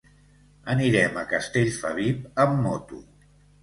Anirem a Castellfabib amb moto.